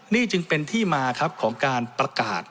นี่จึงเป็นที่มาครับของการประกาศ